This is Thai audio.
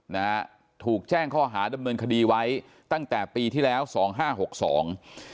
นะฮะถูกแจ้งข้อหาดำเนินคดีไว้ตั้งแต่ปีที่แล้วสองห้าหกสอง